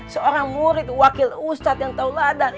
seorang murid wakil ustadz yang tahu ladar